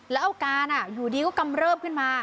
แล้วอาการอยู่ดีก็กำเริบขึ้นมา